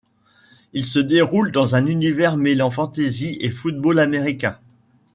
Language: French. Il se déroule dans un univers mêlant fantasy et football américain.